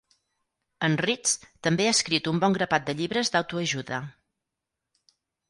En Ritz també ha escrit un bon grapat de llibres d'autoajuda.